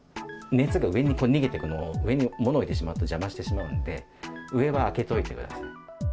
熱が上に逃げていくのを、上に物置いてしまうと邪魔してしまうんで、上は空けといて。